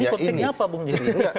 ini kodingnya apa bung giri